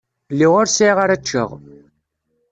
Lliɣ ur sɛiɣ ara ččeɣ.